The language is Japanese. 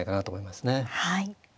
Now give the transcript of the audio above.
はい。